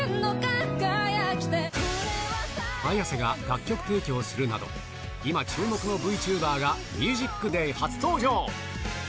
Ａｙａｓｅが楽曲提供するなど、今、注目のＶｔｕｂｅｒがＴＨＥＭＵＳＩＣＤＡＹ初登場。